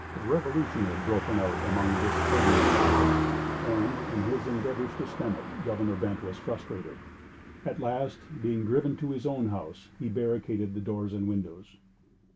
A revolution had broken out among this turbulent people, and, in his endeavors to stem it, Governor Bent was frustrated. At last, being driven to his own house, he barricaded the doors and windows.